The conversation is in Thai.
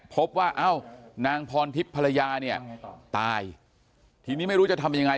พบว่านางธรรมพรทิพย์ภรรยาตายทีนี้ไม่รู้จะทำยังไง